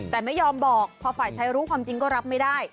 แต่ไม่ยอมบอกพอฝ่ายชายรู้ความจริงก็รับไม่ได้